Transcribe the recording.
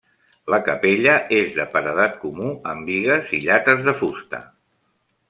La capella és de paredat comú, amb bigues i llates de fusta.